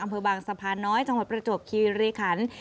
อำเภอบางสะพานน้อยจังหวัดประจวบคีรีขัน